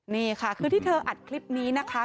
นี่ค่ะคือที่เธออัดคลิปนี้นะคะ